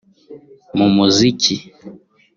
mu muziki